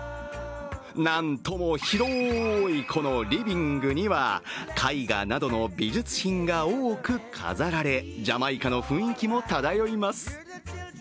なんとも広いこのリビングには、絵画などの美術品が多く飾られジャマイカの雰囲気も漂います。